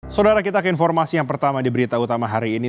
saudara kita ke informasi yang pertama di berita utama hari ini